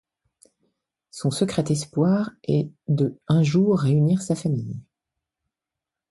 Son secret espoir est de un jour réunir sa famille.